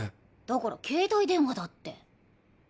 だから携帯電話だって。